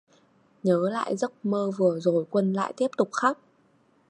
Nhớ lại giấc mơ vừa rồi Quân lại tiếp tục khóc